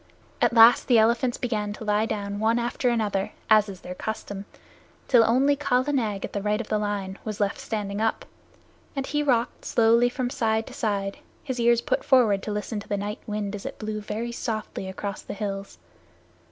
At last the elephants began to lie down one after another as is their custom, till only Kala Nag at the right of the line was left standing up; and he rocked slowly from side to side, his ears put forward to listen to the night wind as it blew very slowly across the hills.